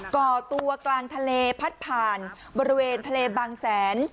ก่อตัวกลางทะเลพัดผ่านบริเวณทะเลบางแสน